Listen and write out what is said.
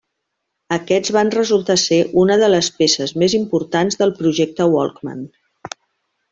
Aquests van resultar ser una de les peces més importants del projecte Walkman.